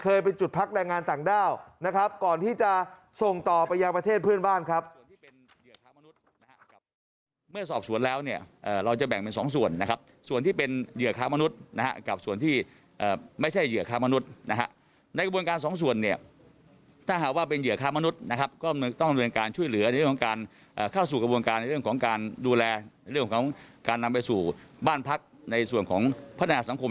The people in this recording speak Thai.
ไปจุดพักแรงงานต่างด้าวนะครับก่อนที่จะส่งต่อไปยังประเทศเพื่อนบ้านครับ